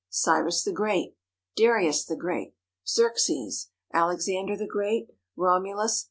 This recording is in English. Cyrus the Great. Darius the Great. Xerxes. Alexander the Great. Romulus.